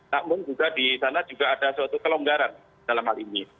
namun juga di sana juga ada suatu kelonggaran dalam hal ini